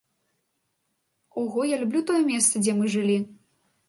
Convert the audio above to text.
Ого, я люблю тое месца, дзе мы жылі.